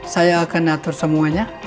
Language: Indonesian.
saya akan atur semuanya